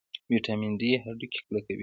ویټامین ډي هډوکي کلکوي